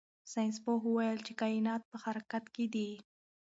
ساینس پوه وویل چې کائنات په حرکت کې دي.